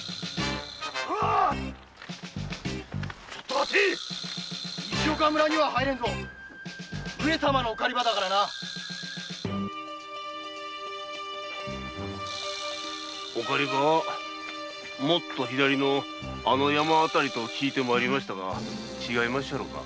待て西岡村には入れんぞ上様のお狩場だからなお狩場はあの左の山の辺りと聞いて参りましたが違いますか？